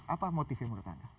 apa motifnya menurut anda